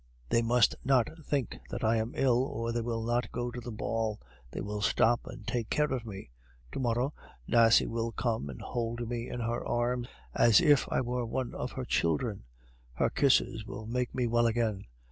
They must not think that I am ill, or they will not go to the ball; they will stop and take care of me. To morrow Nasie will come and hold me in her arms as if I were one of her children; her kisses will make me well again.